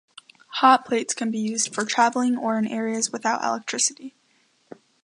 Hot plates can be used for traveling or in areas without electricity.